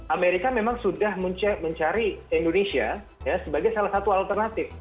amerika memang sudah mencari indonesia sebagai salah satu alternatif